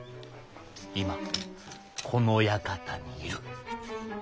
今この館にいる。